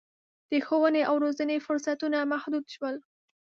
د ښوونې او روزنې فرصتونه محدود شول.